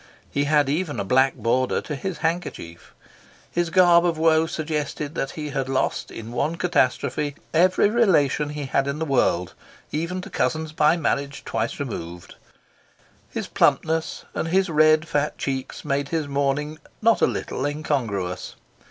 He had even a black border to his handkerchief. His garb of woe suggested that he had lost in one catastrophe every relation he had in the world, even to cousins by marriage twice removed. His plumpness and his red, fat cheeks made his mourning not a little incongruous.